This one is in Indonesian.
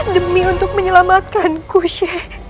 demi untuk menyelamatkan gusti